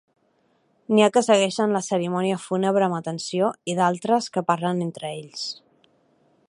N'hi ha que segueixen la cerimònia fúnebre amb atenció i d'altres que parlen entre ells.